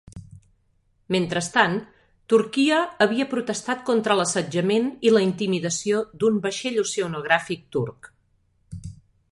Mentrestant, Turquia havia protestat contra l'assetjament i la intimidació d'un vaixell oceanogràfic turc.